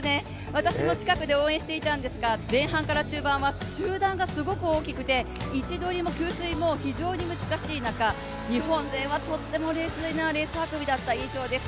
私も近くで応援していたんですが前半から中盤は集団がすごく大きくて位置取りも給水も非常に難しい中日本勢はとっても冷静なレース運びだった印象です。